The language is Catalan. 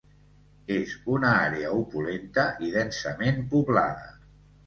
És una àrea opulenta i densament poblada.